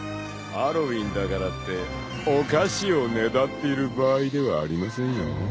［ハロウィーンだからってお菓子をねだっている場合ではありませんよ］